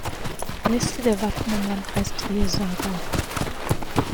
Liste der Wappen im Landkreis Trier-Saarburg